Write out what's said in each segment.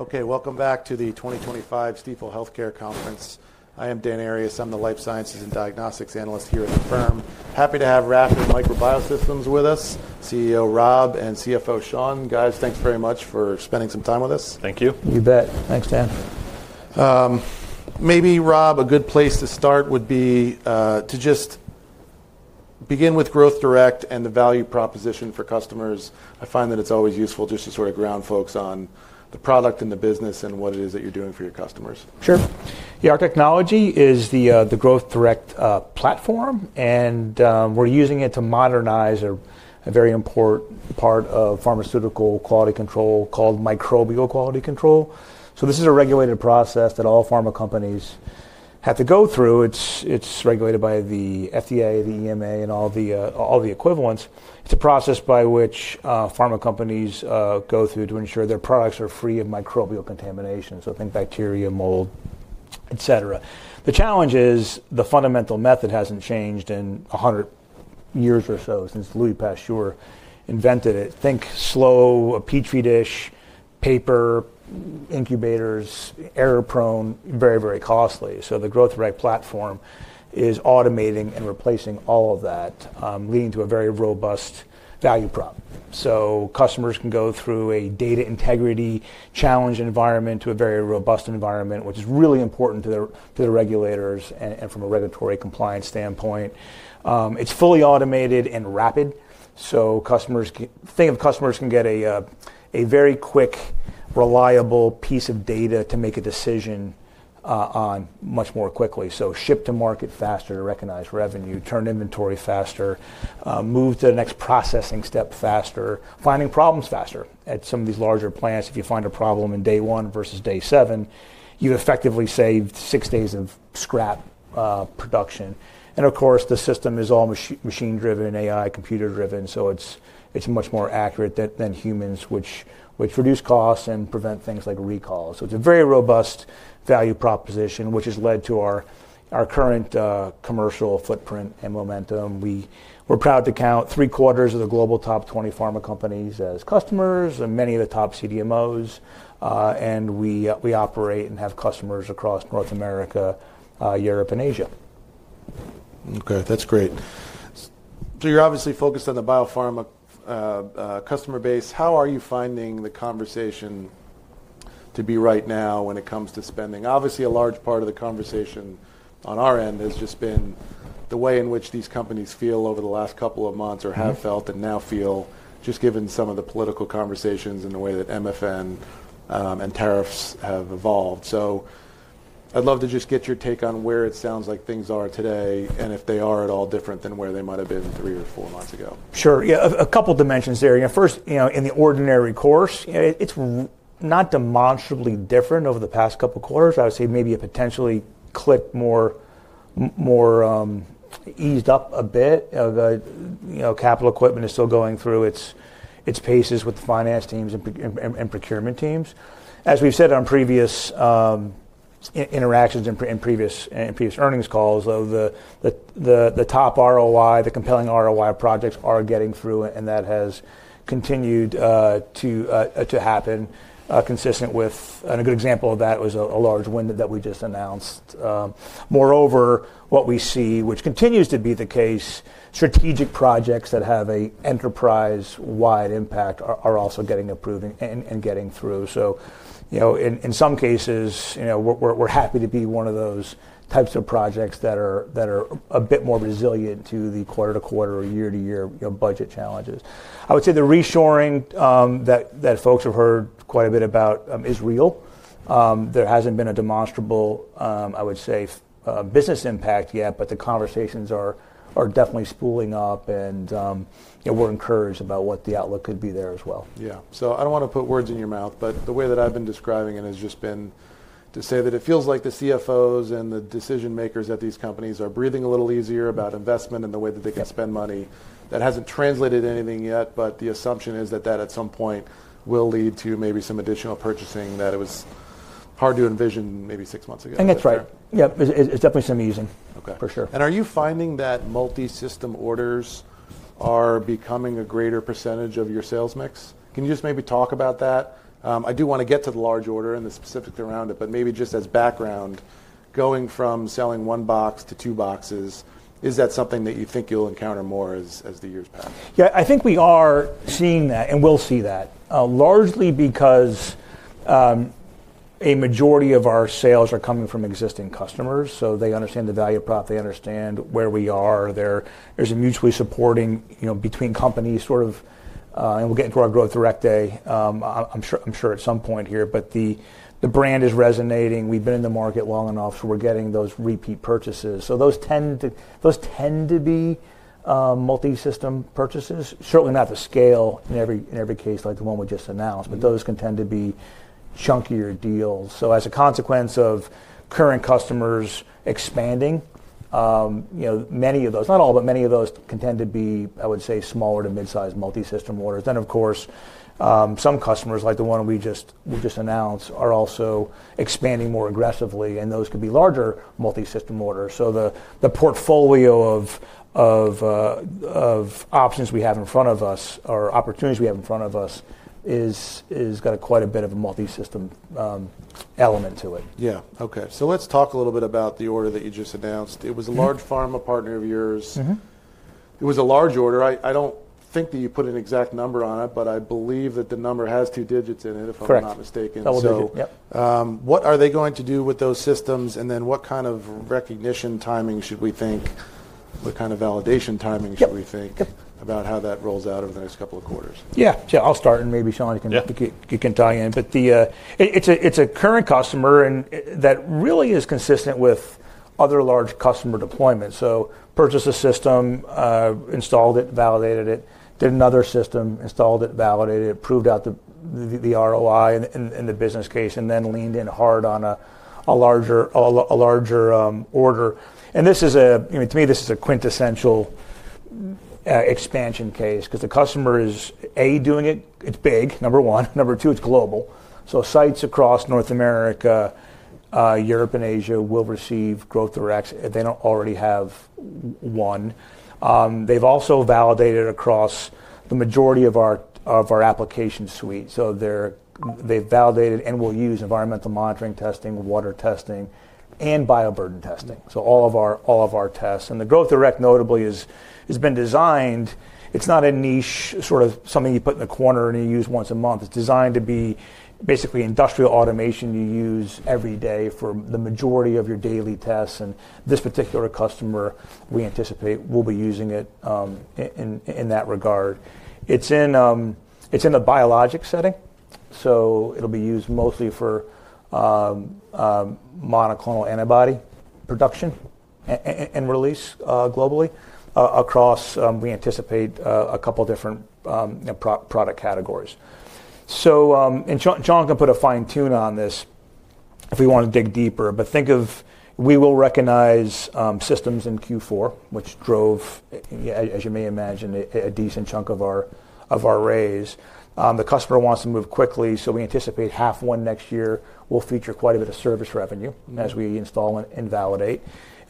Okay, welcome back to the 2025 Stifel Healthcare Conference. I am Dan Arias. I'm the Life Sciences and Diagnostics Analyst here at the firm. Happy to have Rapid Micro Biosystems with us, CEO Rob and CFO Sean. Guys, thanks very much for spending some time with us. Thank you. You bet. Thanks, Dan. Maybe, Rob, a good place to start would be to just begin with Growth Direct and the value proposition for customers. I find that it's always useful just to sort of ground folks on the product and the business and what it is that you're doing for your customers. Sure. Yeah, our technology is the Growth Direct platform, and we're using it to modernize a very important part of pharmaceutical quality control called Microbial Quality control. This is a regulated process that all pharma companies have to go through. It's regulated by the FDA, the EMA, and all the equivalents. It's a process by which pharma companies go through to ensure their products are free of microbial contamination. Think bacteria, mold, etc. The challenge is the fundamental method hasn't changed in 100 years or so since Louis Pasteur invented it. Think slow, petri dish, paper, incubators, error-prone, very, very costly. The Growth Direct platform is automating and replacing all of that, leading to a very robust value prop. Customers can go through a data integrity challenge environment to a very robust environment, which is really important to the regulators and from a regulatory compliance standpoint. It's fully automated and rapid. Think of customers can get a very quick, reliable piece of data to make a decision on much more quickly. Ship to market faster, recognize revenue, turn inventory faster, move to the next processing step faster, finding problems faster. At some of these larger plants, if you find a problem in day one versus day seven, you effectively save six days of scrap production. The system is all machine-driven, AI, computer-driven. It's much more accurate than humans, which reduce costs and prevent things like recalls. It's a very robust value proposition, which has led to our current commercial footprint and momentum. We're proud to count three-quarters of the global top 20 pharma companies as customers and many of the top CDMOs. We operate and have customers across North America, Europe, and Asia. Okay, that's great. You're obviously focused on the biopharma customer base. How are you finding the conversation to be right now when it comes to spending? Obviously, a large part of the conversation on our end has just been the way in which these companies feel over the last couple of months or have felt and now feel, just given some of the political conversations and the way that MFN and tariffs have evolved. I'd love to just get your take on where it sounds like things are today and if they are at all different than where they might have been three or four months ago. Sure. Yeah, a couple of dimensions there. First, in the ordinary course, it's not demonstrably different over the past couple of quarters. I would say maybe a potentially clipped, more eased up a bit. Capital equipment is still going through its paces with the finance teams and procurement teams. As we've said on previous interactions and previous earnings calls, the top ROI, the compelling ROI of projects are getting through, and that has continued to happen. Consistent with, and a good example of that was a large win that we just announced. Moreover, what we see, which continues to be the case, strategic projects that have an enterprise-wide impact are also getting approved and getting through. In some cases, we're happy to be one of those types of projects that are a bit more resilient to the quarter-to-quarter or year-to-year budget challenges. I would say the reshoring that folks have heard quite a bit about is real. There has not been a demonstrable, I would say, business impact yet, but the conversations are definitely spooling up, and we are encouraged about what the outlook could be there as well. Yeah. I do not want to put words in your mouth, but the way that I have been describing it has just been to say that it feels like the CFOs and the decision-makers at these companies are breathing a little easier about investment and the way that they can spend money. That has not translated anything yet, but the assumption is that that at some point will lead to maybe some additional purchasing that it was hard to envision maybe six months ago. I think that's right. Yeah, it's definitely some easing for sure. Are you finding that multi-system orders are becoming a greater percentage of your sales mix? Can you just maybe talk about that? I do want to get to the large order and the specifics around it, but maybe just as background, going from selling one box to two boxes, is that something that you think you'll encounter more as the years pass? Yeah, I think we are seeing that, and we'll see that, largely because a majority of our sales are coming from existing customers. They understand the value prop. They understand where we are. There's a mutually supporting between companies, sort of, and we'll get into our Growth Direct day, I'm sure, at some point here, but the brand is resonating. We've been in the market long enough, so we're getting those repeat purchases. Those tend to be multi-system purchases. Certainly not the scale in every case like the one we just announced, but those can tend to be chunkier deals. As a consequence of current customers expanding, many of those, not all, but many of those can tend to be, I would say, smaller to mid-sized multi-system orders. Of course, some customers like the one we just announced are also expanding more aggressively, and those could be larger multi-system orders. The portfolio of options we have in front of us or opportunities we have in front of us has got quite a bit of a multi-system element to it. Yeah. Okay. So let's talk a little bit about the order that you just announced. It was a large pharma partner of yours. It was a large order. I don't think that you put an exact number on it, but I believe that the number has two digits in it, if I'm not mistaken. Correct. What are they going to do with those systems, and then what kind of recognition timing should we think? What kind of validation timing should we think about how that rolls out over the next couple of quarters? Yeah. Yeah, I'll start, and maybe Sean, you can tie in. But it's a current customer that really is consistent with other large customer deployments. Purchased a system, installed it, validated it, did another system, installed it, validated it, proved out the ROI in the business case, and then leaned in hard on a larger order. To me, this is a quintessential expansion case because the customer is, A, doing it. It's big, number one. Number two, it's global. Sites across North America, Europe, and Asia will receive Growth Direct. They don't already have one. They've also validated across the majority of our application suite. They've validated and will use environmental monitoring testing, water testing, and bioburden testing. All of our tests. The Growth Direct, notably, has been designed. It is not a niche sort of something you put in a corner and you use once a month. It is designed to be basically industrial automation you use every day for the majority of your daily tests. This particular customer, we anticipate, will be using it in that regard. It is in the biologic setting. It will be used mostly for monoclonal antibody production and release globally across, we anticipate, a couple of different product categories. Sean can put a fine tune on this if we want to dig deeper, but think of we will recognize systems in Q4, which drove, as you may imagine, a decent chunk of our raise. The customer wants to move quickly, so we anticipate half one next year will feature quite a bit of service revenue as we install and validate.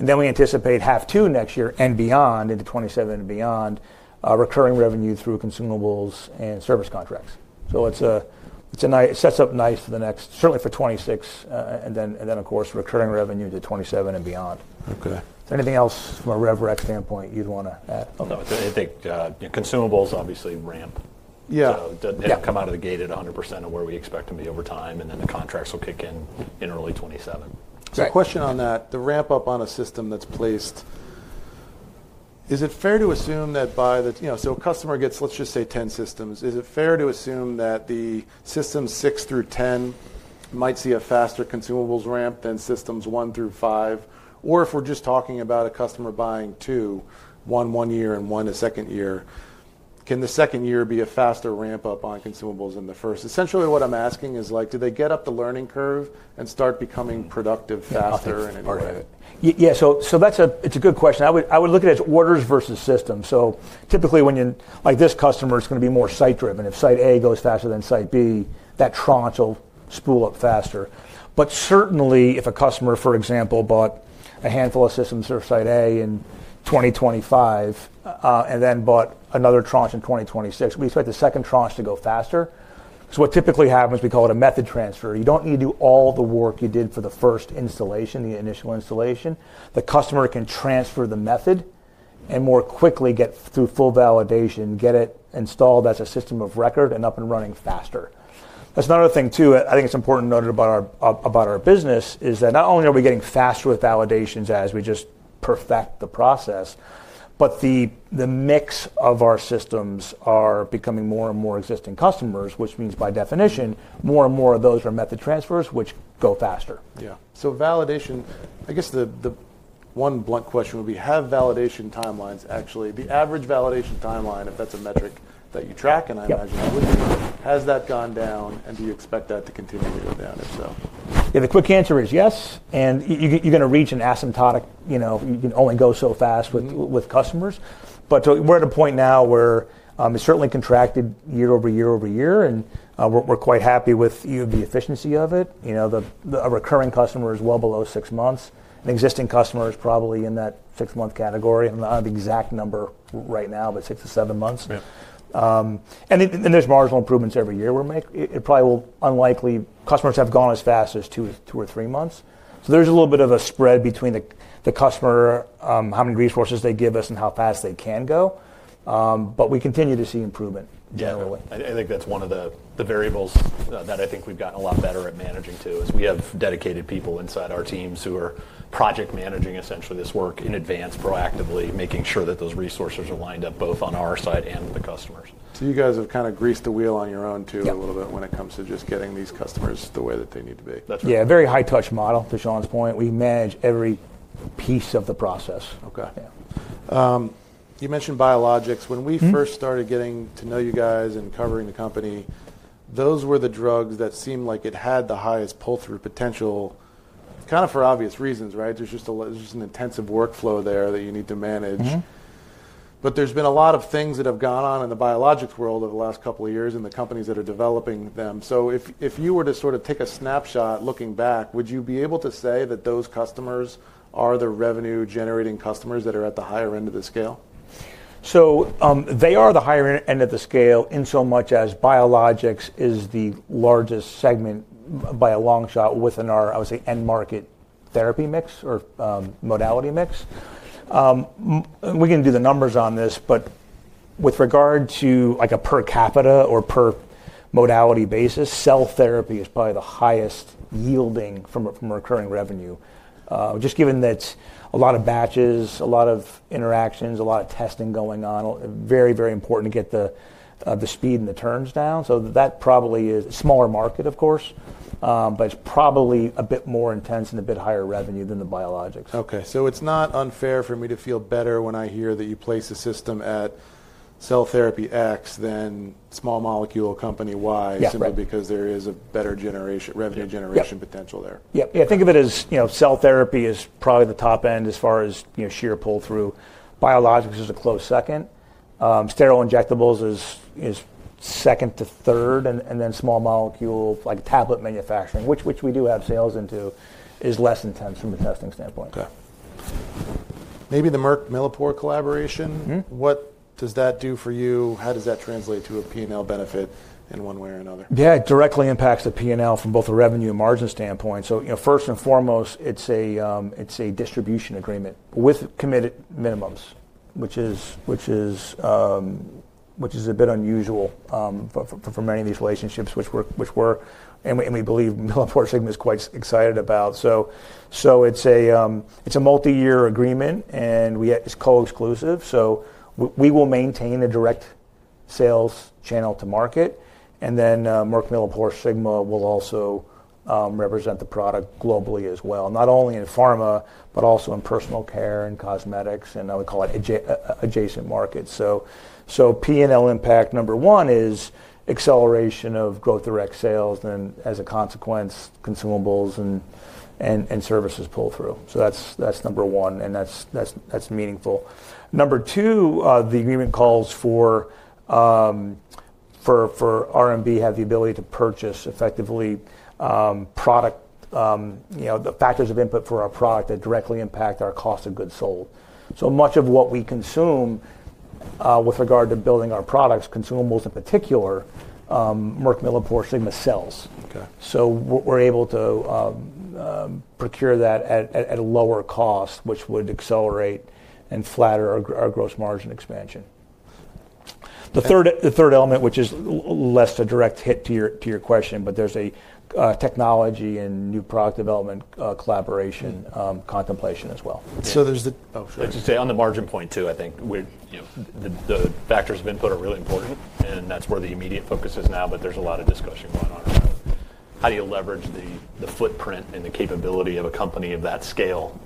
We anticipate half two next year and beyond, into 2027 and beyond, recurring revenue through consumables and service contracts. It sets up nice for the next, certainly for 2026, and then, of course, recurring revenue to 2027 and beyond. Okay. Is there anything else from a RevRex standpoint you'd want to add? I think consumables obviously ramp. Yeah. They don't come out of the gate at 100% of where we expect them to be over time, and then the contracts will kick in in early 2027. Question on that, the ramp up on a system that's placed, is it fair to assume that by the, so a customer gets, let's just say, 10 systems. Is it fair to assume that the systems 6 through 10 might see a faster consumables ramp than systems 1 through 5? Or if we're just talking about a customer buying two, one-one year and one a second year, can the second year be a faster ramp up on consumables than the first? Essentially, what I'm asking is, do they get up the learning curve and start becoming productive faster and innovative? Yeah, so it's a good question. I would look at it as orders versus systems. Typically, like this customer is going to be more site-driven. If site A goes faster than site B, that tranche will spool up faster. Certainly, if a customer, for example, bought a handful of systems for site A in 2025 and then bought another tranche in 2026, we expect the second tranche to go faster. What typically happens is we call it a method transfer. You don't need to do all the work you did for the first installation, the initial installation. The customer can transfer the method and more quickly get through full validation, get it installed as a system of record and up and running faster. That's another thing too. I think it's important to note about our business is that not only are we getting faster with validations as we just perfect the process, but the mix of our systems are becoming more and more existing customers, which means by definition, more and more of those are method transfers, which go faster. Yeah. Validation, I guess the one blunt question would be, have validation timelines actually, the average validation timeline, if that's a metric that you track, and I imagine it would be, has that gone down, and do you expect that to continue to go down if so? Yeah, the quick answer is yes. You're going to reach an asymptotic; you can only go so fast with customers. We're at a point now where it's certainly contracted year-over-year-over-year, and we're quite happy with the efficiency of it. A recurring customer is well below six months. An existing customer is probably in that six-month category. I'm not an exact number right now, but six to seven months. There's marginal improvements every year we're making. It probably will unlikely customers have gone as fast as two or three months. There's a little bit of a spread between the customer, how many resources they give us, and how fast they can go. We continue to see improvement generally. I think that's one of the variables that I think we've gotten a lot better at managing too, is we have dedicated people inside our teams who are project managing essentially this work in advance, proactively, making sure that those resources are lined up both on our side and the customer's. You guys have kind of greased the wheel on your own too a little bit when it comes to just getting these customers the way that they need to be. Yeah, very high-touch model to Sean's point. We manage every piece of the process. Okay. You mentioned Biologics. When we first started getting to know you guys and covering the company, those were the drugs that seemed like it had the highest pull-through potential, kind of for obvious reasons, right? There's just an intensive workflow there that you need to manage. There have been a lot of things that have gone on in the biologics world over the last couple of years and the companies that are developing them. If you were to sort of take a snapshot looking back, would you be able to say that those customers are the revenue-generating customers that are at the higher end of the scale? They are the higher end of the scale in so much as Biologics is the largest segment by a long shot within our, I would say, end-market therapy mix or modality mix. We can do the numbers on this, but with regard to a per capita or per modality basis, cell therapy is probably the highest yielding from recurring revenue, just given that a lot of batches, a lot of interactions, a lot of testing going on, very, very important to get the speed and the turns down. That probably is a smaller market, of course, but it is probably a bit more intense and a bit higher revenue than the biologics. Okay. So it's not unfair for me to feel better when I hear that you place a system at cell therapy X than small molecule company Y, simply because there is a better revenue generation potential there. Yep. Yeah, think of it as cell therapy is probably the top end as far as sheer pull-through. Biologics is a close second. Steroid injectables is second to third, and then small molecule, like tablet manufacturing, which we do have sales into, is less intense from a testing standpoint. Okay. Maybe the Merck-MilliporeSigma collaboration. What does that do for you? How does that translate to a P&L benefit in one way or another? Yeah, it directly impacts the P&L from both a revenue and margin standpoint. First and foremost, it's a distribution agreement with committed minimums, which is a bit unusual for many of these relationships, which we're, and we believe MilliporeSigma is quite excited about. It's a multi-year agreement, and it's co-exclusive. We will maintain a direct sales channel to market, and then MilliporeSigma will also represent the product globally as well, not only in pharma, but also in personal care and cosmetics, and I would call it adjacent markets. P&L impact, number one, is acceleration of Growth Direct sales, and then as a consequence, consumables and services pull through. That's number one, and that's meaningful. Number two, the agreement calls for RMB to have the ability to purchase effectively product factors of input for our product that directly impact our cost of goods sold. Much of what we consume with regard to building our products, consumables in particular, MilliporeSigma sells. We are able to procure that at a lower cost, which would accelerate and flatter our gross margin expansion. The third element, which is less a direct hit to your question, but there is a technology and new product development collaboration contemplation as well. There's the, oh, sure. I'd just say on the margin point too, I think the factors of input are really important, and that's where the immediate focus is now, but there's a lot of discussion going on around how do you leverage the footprint and the capability of a company of that scale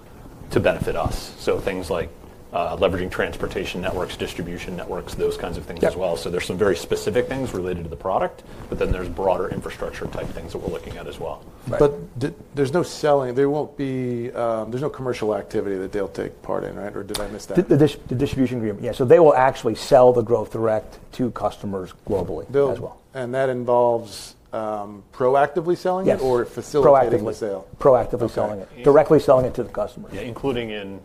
to benefit us. Things like leveraging transportation networks, distribution networks, those kinds of things as well. There are some very specific things related to the product, but then there are broader infrastructure type things that we're looking at as well. There is no selling. There will not be, there is no commercial activity that they will take part in, right? Or did I miss that? The distribution agreement, yeah. They will actually sell the Growth Direct to customers globally as well. That involves proactively selling it or facilitating the sale? Proactively selling it. Directly selling it to the customers. Yeah, including in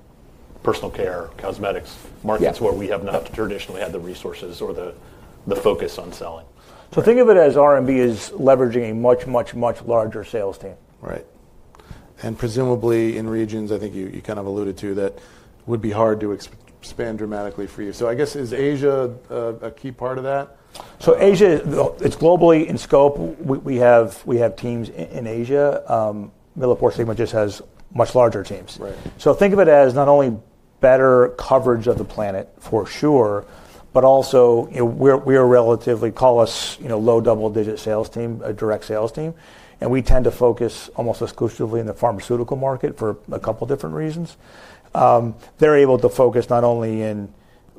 personal care, cosmetics, markets where we have not traditionally had the resources or the focus on selling. Think of it as R&B is leveraging a much, much, much larger sales team. Right. And presumably in regions, I think you kind of alluded to, that would be hard to expand dramatically for you. I guess, is Asia a key part of that? Asia, it's globally in scope. We have teams in Asia. MilliporeSigma just has much larger teams. Think of it as not only better coverage of the planet for sure, but also we are relatively, call us low double-digit sales team, a direct sales team, and we tend to focus almost exclusively in the pharmaceutical market for a couple of different reasons. They're able to focus not only in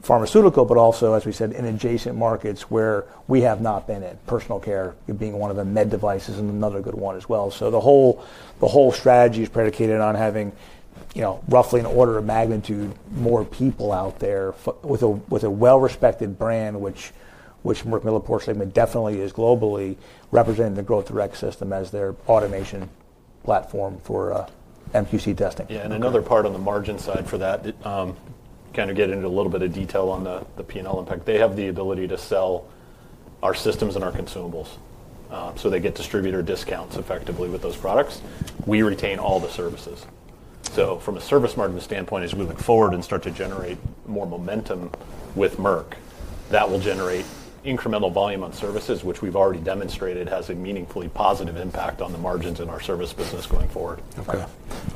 pharmaceutical, but also, as we said, in adjacent markets where we have not been in, personal care being one of them, med devices and another good one as well. The whole strategy is predicated on having roughly an order of magnitude more people out there with a well-respected brand, which MilliporeSigma definitely is globally, representing the Growth Direct system as their automation platform for MQC testing. Yeah, and another part on the margin side for that, kind of get into a little bit of detail on the P&L impact, they have the ability to sell our systems and our consumables. They get distributor discounts effectively with those products. We retain all the services. From a service margin standpoint, as you're moving forward and start to generate more momentum with MilliporeSigma, that will generate incremental volume on services, which we've already demonstrated has a meaningfully positive impact on the margins in our service business going forward. Okay.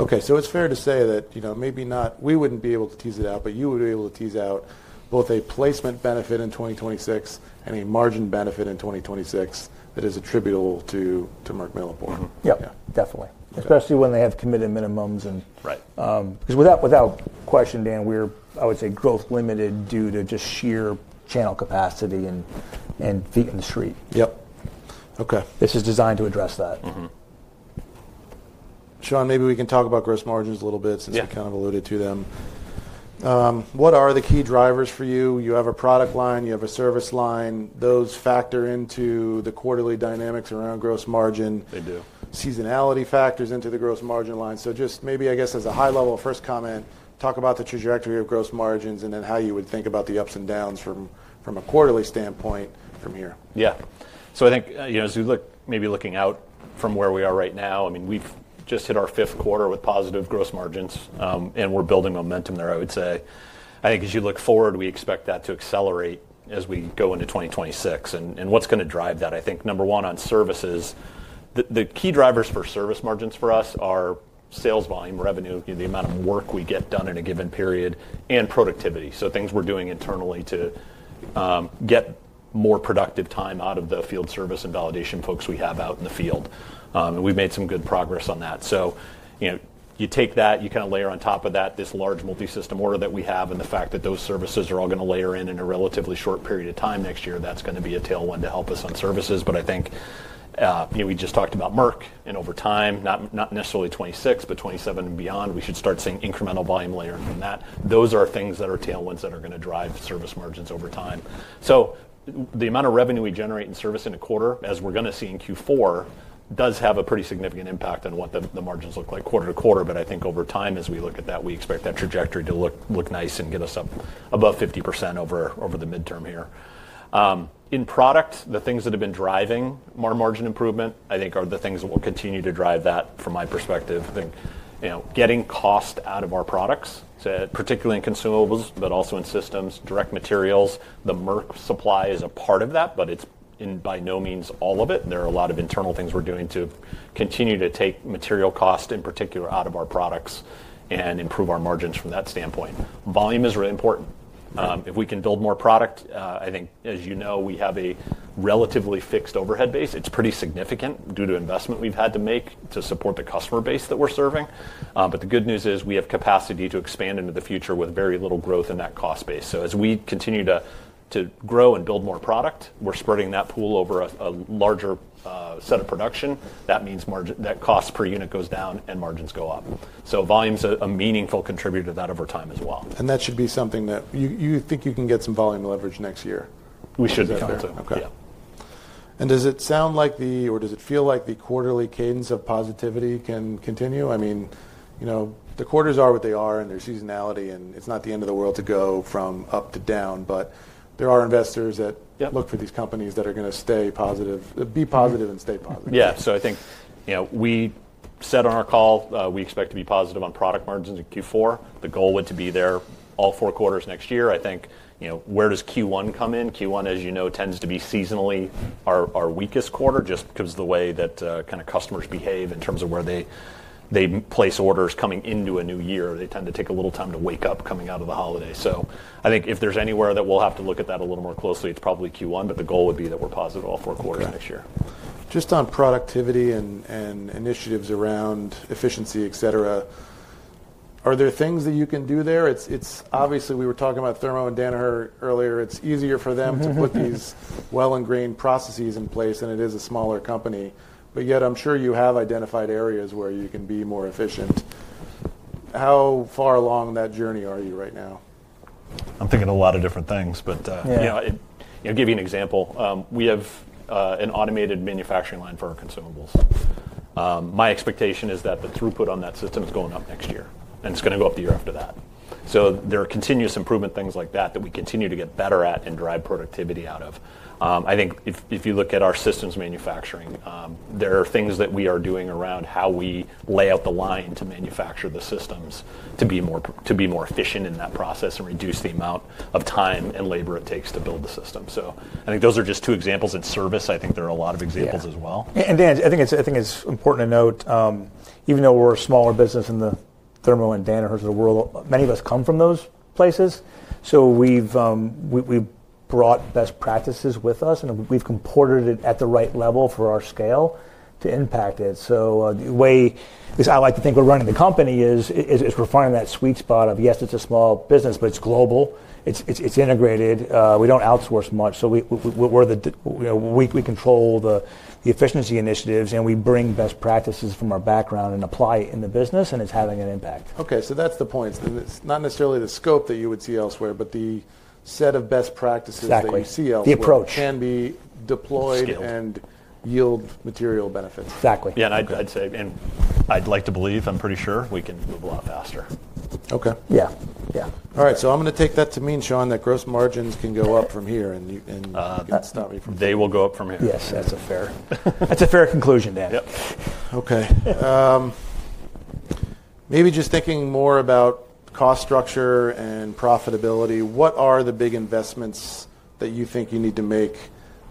Okay. So it's fair to say that maybe not, we wouldn't be able to tease it out, but you would be able to tease out both a placement benefit in 2026 and a margin benefit in 2026 that is attributable to MilliporeSigma. Yep. Definitely. Especially when they have committed minimums, and because without question, Dan, we're, I would say, growth-limited due to just sheer channel capacity and feet in the street. Yep. Okay. This is designed to address that. Sean, maybe we can talk about gross margins a little bit since we kind of alluded to them. What are the key drivers for you? You have a product line, you have a service line. Those factor into the quarterly dynamics around gross margin. They do. Seasonality factors into the gross margin line. Just maybe, I guess, as a high-level first comment, talk about the trajectory of gross margins and then how you would think about the ups and downs from a quarterly standpoint from here. Yeah. So I think as we look, maybe looking out from where we are right now, I mean, we've just hit our fifth quarter with positive gross margins, and we're building momentum there, I would say. I think as you look forward, we expect that to accelerate as we go into 2026. What's going to drive that? I think number one on services, the key drivers for service margins for us are sales volume, revenue, the amount of work we get done in a given period, and productivity. Things we're doing internally to get more productive time out of the field service and validation folks we have out in the field. We've made some good progress on that. You take that, you kind of layer on top of that this large multi-system order that we have and the fact that those services are all going to layer in in a relatively short period of time next year, that is going to be a tailwind to help us on services. I think we just talked about Merck and over time, not necessarily 2026, but 2027 and beyond, we should start seeing incremental volume layering from that. Those are things that are tailwinds that are going to drive service margins over time. The amount of revenue we generate in service in a quarter, as we are going to see in Q4, does have a pretty significant impact on what the margins look like quarter to quarter. I think over time, as we look at that, we expect that trajectory to look nice and get us up above 50% over the midterm here. In product, the things that have been driving more margin improvement, I think, are the things that will continue to drive that from my perspective. I think getting cost out of our products, particularly in consumables, but also in systems, direct materials, the Merck supply is a part of that, but it's by no means all of it. There are a lot of internal things we're doing to continue to take material cost in particular out of our products and improve our margins from that standpoint. Volume is really important. If we can build more product, I think, as you know, we have a relatively fixed overhead base. It's pretty significant due to investment we've had to make to support the customer base that we're serving. The good news is we have capacity to expand into the future with very little growth in that cost base. As we continue to grow and build more product, we're spreading that pool over a larger set of production. That means that cost per unit goes down and margins go up. Volume's a meaningful contributor to that over time as well. That should be something that you think you can get some volume leverage next year. We should be able to. Okay. Does it sound like the, or does it feel like the quarterly cadence of positivity can continue? I mean, the quarters are what they are and there is seasonality and it is not the end of the world to go from up to down, but there are investors that look for these companies that are going to stay positive, be positive and stay positive. Yeah. So I think we said on our call, we expect to be positive on product margins in Q4. The goal would be to be there all four quarters next year. I think where does Q1 come in? Q1, as you know, tends to be seasonally our weakest quarter just because of the way that kind of customers behave in terms of where they place orders coming into a new year. They tend to take a little time to wake up coming out of the holiday. I think if there is anywhere that we will have to look at that a little more closely, it is probably Q1, but the goal would be that we are positive all four quarters next year. Just on productivity and initiatives around efficiency, etc., are there things that you can do there? Obviously, we were talking about Thermo and Danaher earlier. It's easier for them to put these well-ingrained processes in place, and it is a smaller company. Yet, I'm sure you have identified areas where you can be more efficient. How far along that journey are you right now? I'm thinking a lot of different things, but I'll give you an example. We have an automated manufacturing line for our consumables. My expectation is that the throughput on that system is going up next year, and it's going to go up the year after that. There are continuous improvement things like that that we continue to get better at and drive productivity out of. I think if you look at our systems manufacturing, there are things that we are doing around how we lay out the line to manufacture the systems to be more efficient in that process and reduce the amount of time and labor it takes to build the system. I think those are just two examples. In service, I think there are a lot of examples as well. Dan, I think it's important to note, even though we're a smaller business in the Thermo and Danaher of the world, many of us come from those places. We've brought best practices with us, and we've comported it at the right level for our scale to impact it. The way I like to think we're running the company is we're finding that sweet spot of, yes, it's a small business, but it's global. It's integrated. We don't outsource much. We control the efficiency initiatives, and we bring best practices from our background and apply it in the business, and it's having an impact. Okay. So that's the point. It's not necessarily the scope that you would see elsewhere, but the set of best practices that you see elsewhere can be deployed and yield material benefits. Exactly. Yeah. I'd say, and I'd like to believe, I'm pretty sure we can move a lot faster. Okay. Yeah. Yeah. All right. I'm going to take that to mean, Sean, that gross margins can go up from here, and that's stopping me from. They will go up from here. Yes. That's a fair conclusion, Dan. Yep. Okay. Maybe just thinking more about cost structure and profitability, what are the big investments that you think you need to make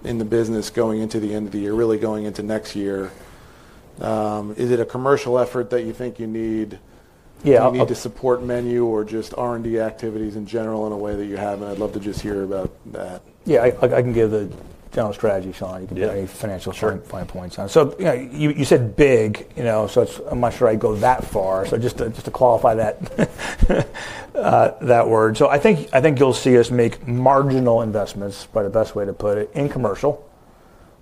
in the business going into the end of the year, really going into next year? Is it a commercial effort that you think you need to support menu or just R&D activities in general in a way that you haven't? I'd love to just hear about that. Yeah. I can give the general strategy, Sean. You can give me financial point. You said big, so I'm not sure I'd go that far. Just to qualify that word. I think you'll see us make marginal investments, probably the best way to put it, in commercial.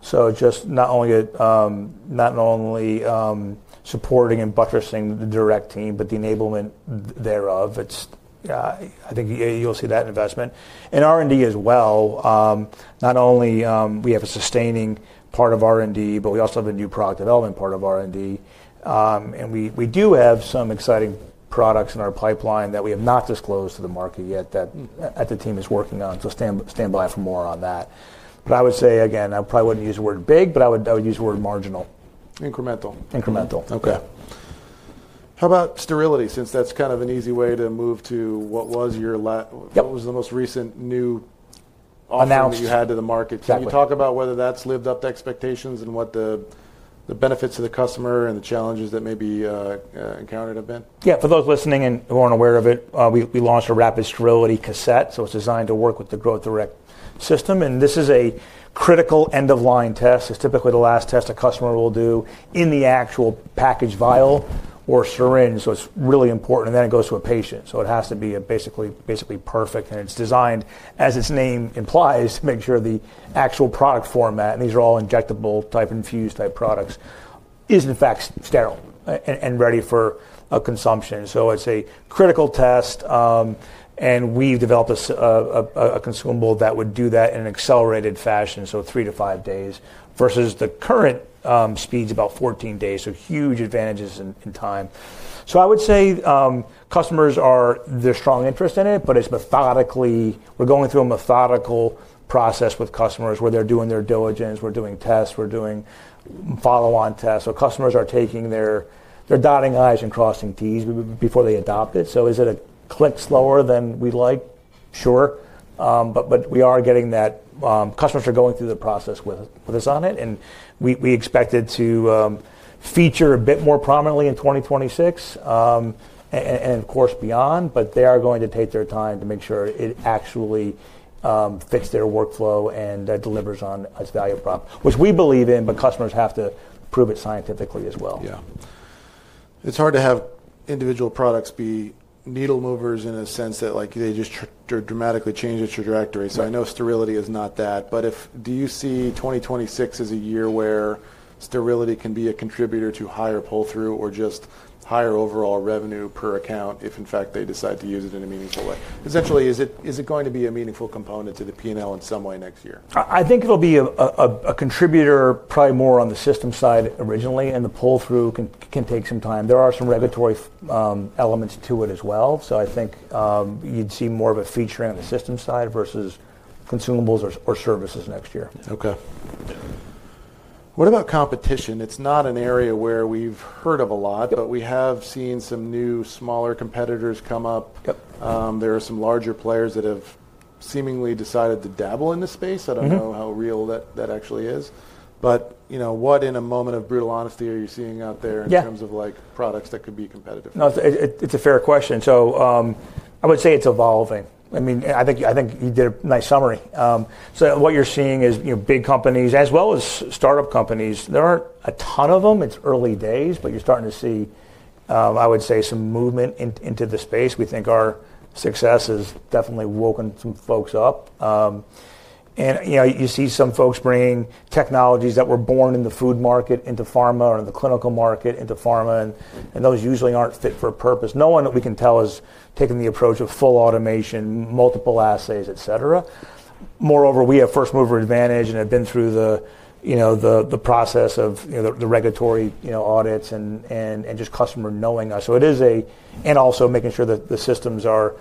Just not only supporting and buttressing the direct team, but the enablement thereof. I think you'll see that investment. And R&D as well. Not only do we have a sustaining part of R&D, but we also have a new product development part of R&D. We do have some exciting products in our pipeline that we have not disclosed to the market yet that the team is working on. Stand by for more on that. I would say, again, I probably wouldn't use the word big, but I would use the word marginal. Incremental? Incremental. Okay. How about sterility since that's kind of an easy way to move to what was your, what was the most recent new. Announcement. You had to the market? Can you talk about whether that's lived up to expectations and what the benefits to the customer and the challenges that may be encountered have been? Yeah. For those listening and who aren't aware of it, we launched a Rapid Sterility Cassette. It is designed to work with the Growth Direct system. This is a critical end-of-line test. It is typically the last test a customer will do in the actual package vial or syringe. It is really important. Then it goes to a patient. It has to be basically perfect. It is designed, as its name implies, to make sure the actual product format, and these are all injectable type infused type products, is in fact sterile and ready for consumption. It is a critical test. We have developed a consumable that would do that in an accelerated fashion, so three to five days versus the current speed is about 14 days. Huge advantages in time. I would say customers are, there's strong interest in it, but it's methodically, we're going through a methodical process with customers where they're doing their diligence. We're doing tests. We're doing follow-on tests. Customers are taking their dotting I's and crossing T's before they adopt it. Is it a click slower than we'd like? Sure. We are getting that customers are going through the process with us on it. We expect it to feature a bit more prominently in 2026 and, of course, beyond, but they are going to take their time to make sure it actually fits their workflow and delivers on its value prop, which we believe in, but customers have to prove it scientifically as well. Yeah. It's hard to have individual products be needle movers in a sense that they just dramatically change the trajectory. I know sterility is not that, but do you see 2026 as a year where sterility can be a contributor to higher pull-through or just higher overall revenue per account if, in fact, they decide to use it in a meaningful way? Essentially, is it going to be a meaningful component to the P&L in some way next year? I think it'll be a contributor probably more on the system side originally, and the pull-through can take some time. There are some regulatory elements to it as well. I think you'd see more of a feature on the system side versus consumables or services next year. Okay. What about competition? It's not an area where we've heard of a lot, but we have seen some new smaller competitors come up. There are some larger players that have seemingly decided to dabble in the space. I don't know how real that actually is. In a moment of brutal honesty, what are you seeing out there in terms of products that could be competitive? It's a fair question. I would say it's evolving. I mean, I think you did a nice summary. What you're seeing is big companies as well as startup companies. There aren't a ton of them. It's early days, but you're starting to see, I would say, some movement into the space. We think our success has definitely woken some folks up. You see some folks bringing technologies that were born in the food market into pharma or in the clinical market into pharma. Those usually aren't fit for purpose. No one that we can tell is taking the approach of full automation, multiple assays, etc. Moreover, we have first mover advantage and have been through the process of the regulatory audits and just customer knowing us. It is also making sure that the systems are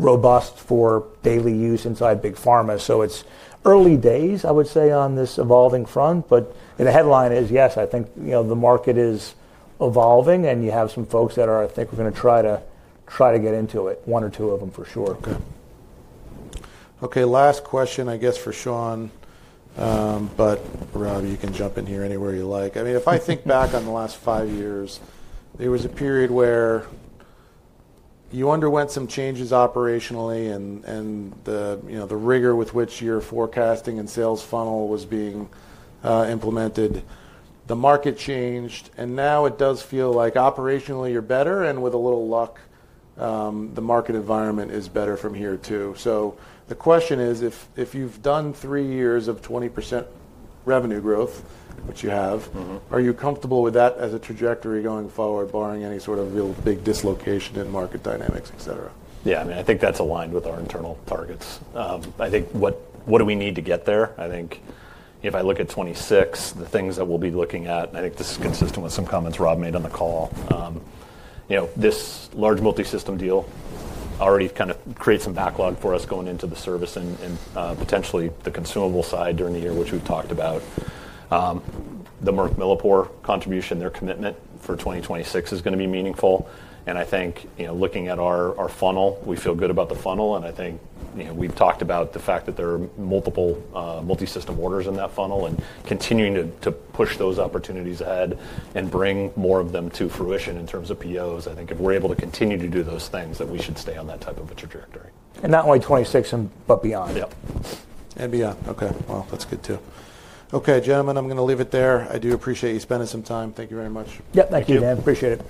robust for daily use inside big pharma. It's early days, I would say, on this evolving front. The headline is, yes, I think the market is evolving and you have some folks that are, I think we're going to try to get into it, one or two of them for sure. Okay. Okay. Last question, I guess, for Sean, but Rob, you can jump in here anywhere you like. I mean, if I think back on the last five years, there was a period where you underwent some changes operationally and the rigor with which your forecasting and sales funnel was being implemented. The market changed, and now it does feel like operationally you're better, and with a little luck, the market environment is better from here too. The question is, if you've done three years of 20% revenue growth, which you have, are you comfortable with that as a trajectory going forward, barring any sort of real big dislocation in market dynamics, etc.? Yeah. I mean, I think that's aligned with our internal targets. I think what do we need to get there? I think if I look at 2026, the things that we'll be looking at, and I think this is consistent with some comments Rob made on the call, this large multi-system deal already kind of creates some backlog for us going into the service and potentially the consumable side during the year, which we've talked about. The MilliporeSigma contribution, their commitment for 2026 is going to be meaningful. I think looking at our funnel, we feel good about the funnel. I think we've talked about the fact that there are multiple multi-system orders in that funnel and continuing to push those opportunities ahead and bring more of them to fruition in terms of POs. I think if we're able to continue to do those things, then we should stay on that type of a trajectory. Not only 2026, but beyond. Yep. Okay. That is good too. Gentlemen, I am going to leave it there. I do appreciate you spending some time. Thank you very much. Yep. Thank you, Dan. Appreciate it.